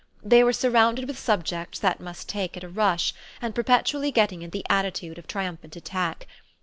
They were surrounded with subjects they must take at a rush and perpetually getting into the attitude of triumphant attack.